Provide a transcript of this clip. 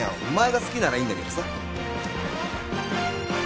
お前が好きならいいんだけどさ。